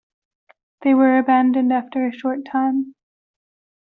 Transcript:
They were abandoned after a short time.